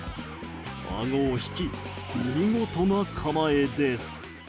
あごを引き、見事な構えです。